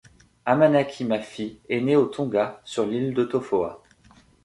Amanaki Mafi est né aux Tonga, sur l'île de Tofoa.